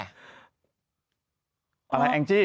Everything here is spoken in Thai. อะไรแองจี้